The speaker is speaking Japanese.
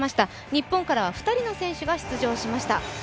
日本からは２人の選手が出場しました。